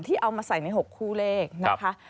เอามาใส่ใน๖คู่เลขนะคะ